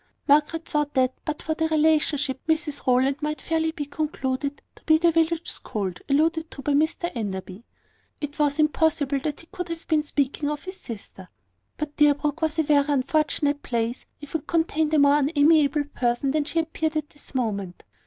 Margaret thought that, but for the relationship, Mrs Rowland might fairly be concluded to be the village scold alluded to by Mr Enderby. It was impossible that he could have been speaking of his sister; but Deerbrook was an unfortunate place if it contained a more unamiable person than she appeared at this moment.